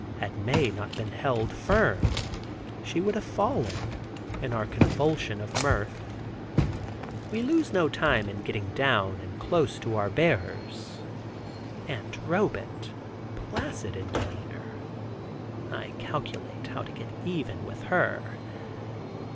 Had not Mae been held firm, she would have fallen, in her convulsion of mirth. We lose no time in getting down, and close to our bearers. Aunt Robet, placid in demeanor, I calculate how to get even with her.